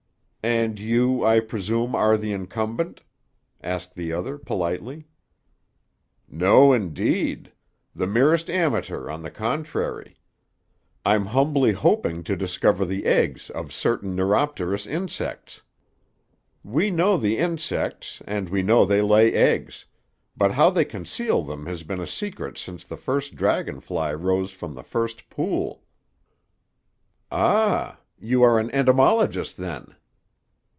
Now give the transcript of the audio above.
"And you, I presume, are the incumbent?" asked the other politely. "No, indeed! The merest amateur, on the contrary. I'm humbly hoping to discover the eggs of certain neuropterous insects. We know the insects, and we know they lay eggs; but how they conceal them has been a secret since the first dragon fly rose from the first pool." "Ah! You are an entomologist, then."